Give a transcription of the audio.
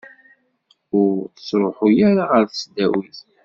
Ur ittruḥu ara ɣer tesdawit.